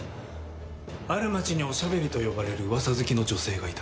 ある町に「おしゃべり」と呼ばれるうわさ好きの女性がいた。